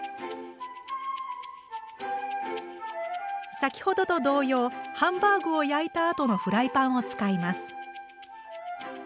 先ほどと同様ハンバーグを焼いたあとのフライパンを使います。